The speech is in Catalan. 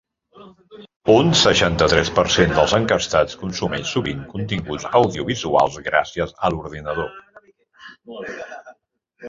Un seixanta-tres per cent dels enquestats consumeix sovint continguts audiovisuals gràcies a l’ordinador.